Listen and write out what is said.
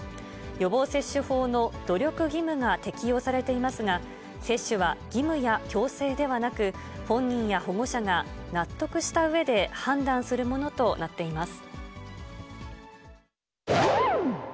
予防接種法の努力義務が適用されていますが、接種は義務や強制ではなく、本人や保護者が納得したうえで判断するものとなっています。